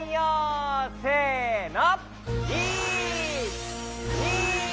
せの！